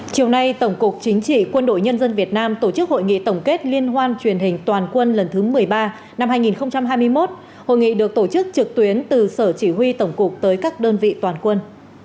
chiều nay tổng cục chính trị quân đội nhân dân việt nam tổ chức hội nghị tổng kết liên hoan truyền hình toàn quân lần thứ một mươi ba năm hai nghìn hai mươi một hội nghị được tổ chức trực tuyến từ sở chỉ huy tổng cục tới các đơn vị toàn quân